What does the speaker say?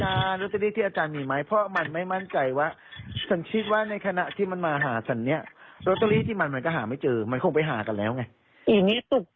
อ้าวเออทีนี้ตำรวจก็ไม่รับแจ้งความ